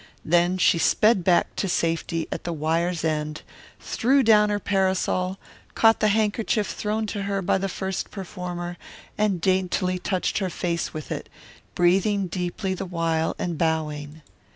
Then she sped back to safety at the wire's end, threw down her parasol, caught the handkerchief thrown to her by the first performer, and daintily touched her face with it, breathing deeply the while and bowing.